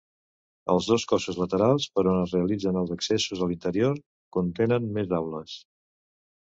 Els dos cossos laterals, per on es realitzen els accessos a l'interior, contenen més aules.